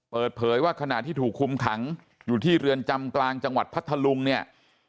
เปิดเผยว่าขณะที่ถูกคุมขังอยู่ที่เรือนจำกลางจังหวัดพัทธลุงเนี่ย